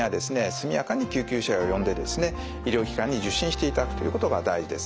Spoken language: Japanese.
速やかに救急車を呼んで医療機関に受診していただくということが大事です。